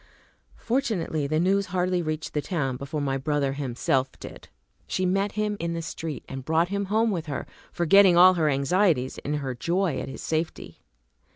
Fortunately, the news hardly reached the town before my brother himself did. She met him in the street, and brought him home with her, forgetting all her anxieties in her joy at his safety.